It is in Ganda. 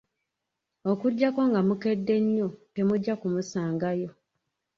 Okuggyako nga mukedde nnyo, temujja kumusangayo.